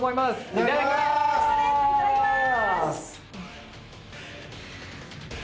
いただきます！